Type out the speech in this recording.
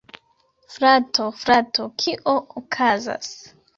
Frato, frato! Kio okazas?